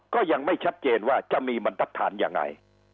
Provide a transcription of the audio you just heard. ก็ยังไม่ชัดเจนว่าจะมีบรรทัศนยังไง